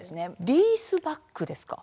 リースバックですか？